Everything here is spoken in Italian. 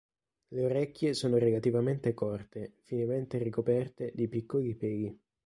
Le orecchie sono relativamente corte, finemente ricoperte di piccoli peli.